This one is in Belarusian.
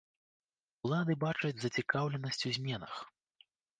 Улады бачаць зацікаўленасць у зменах.